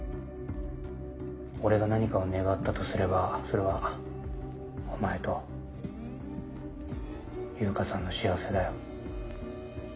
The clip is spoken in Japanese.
俺が何かを願ったとすればそれはお前と悠香さんの幸せだよ。